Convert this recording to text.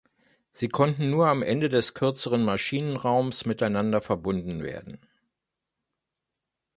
Sie konnten nur am Ende des kürzeren Maschinenraums miteinander verbunden werden.